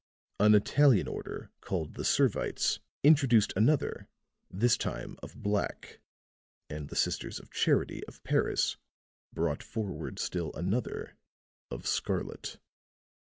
An Italian order, called the Servites, introduced another, this time of black; and the Sisters of Charity of Paris brought forward still another of scarlet."